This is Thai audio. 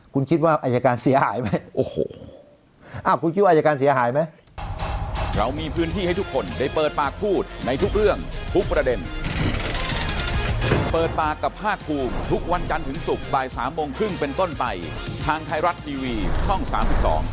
คุณคิดว่าอายการเสียหายไหมโอ้โหคุณคิดว่าอายการเสียหายไหม